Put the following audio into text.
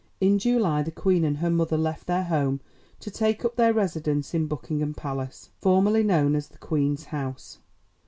In July the Queen and her mother left their home to take up their residence in Buckingham Palace, formerly known as the Queen's House.